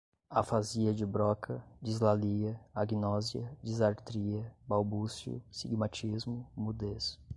afasia de broca, dislalia, agnosia, disartria, balbucio, sigmatismo, mudez